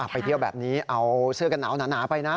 ไปเที่ยวแบบนี้เอาเสื้อกันหนาวไปนะ